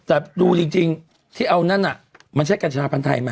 แต่ดูจริงที่เอานั่นน่ะมันใช้กัญชาพันธ์ไทยไหม